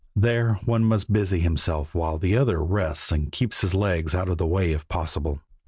There one must busy himself while the other rests and keeps his legs out of the way if possible.